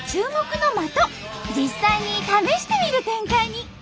実際に試してみる展開に。